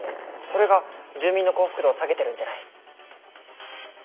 それが住民の幸福度を下げてるんじゃない？